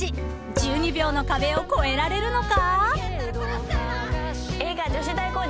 ［１２秒の壁を越えられるのか？］